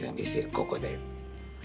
ここで。